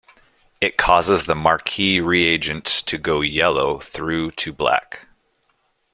It causes the marquis reagent to go yellow through to black.